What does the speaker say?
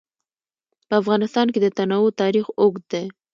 په افغانستان کې د تنوع تاریخ اوږد دی.